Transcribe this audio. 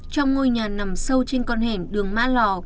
trong ngôi nhà nằm sâu trên con hẻm đường ma lò